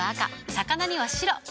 魚には白。